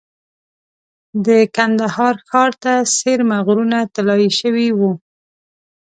د کندهار ښار ته څېرمه غرونه طلایي شوي وو.